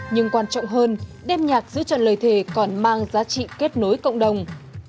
nhưng quan trọng hơn đêm nhạc giữ chọn lời thề còn mang giá trị kết nối cộng đồng